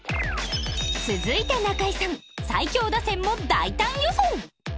続いて中居さん最強打線も大胆予想！